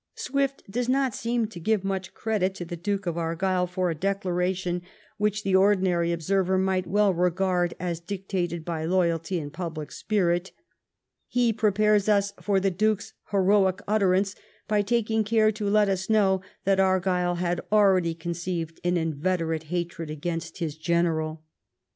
*' Swift does not seem inclined to give much credit to the Duke of Argyle for a declaration which the ordinary observer might well regard as dictated by loyalty and public spirit He prepares us for the Duke's heroic utterance by taking care to let us know that Argyle had already conceived an inveterate hatred against his general.